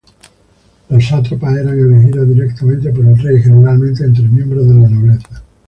Los sátrapas eran elegidos directamente por el rey, generalmente entre miembros de la nobleza.